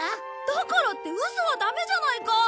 だからってウソはダメじゃないか！